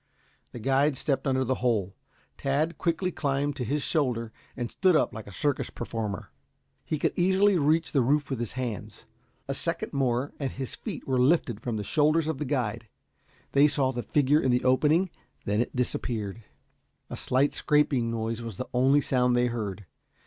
The guide stepped under the hole. Tad quickly climbed to his shoulder and stood up like a circus performer. He could easily reach the roof with his hands. A second more and his feet were lifted from the shoulders of the guide. They saw the figure in the opening; then it disappeared. A slight scraping noise was the only sound they heard.